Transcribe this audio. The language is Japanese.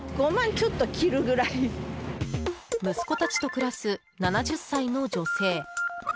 息子たちと暮らす７０歳の女性。